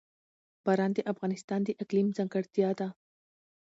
باران د افغانستان د اقلیم ځانګړتیا ده.